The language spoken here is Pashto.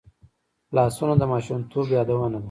لاسونه د ماشومتوب یادونه ده